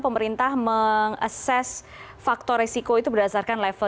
pemerintah meng assess faktor risiko itu berdasarkan level